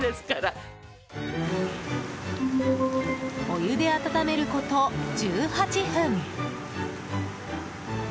お湯で温めること１８分。